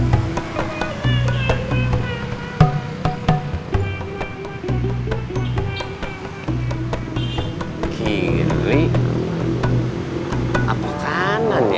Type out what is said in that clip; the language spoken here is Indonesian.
sampai jumpa lagi